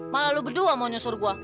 malah lu berdua mau nyusur gua